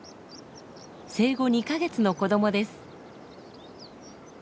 生後２か月の子どもです。